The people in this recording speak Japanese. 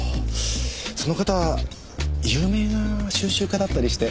その方有名な収集家だったりして。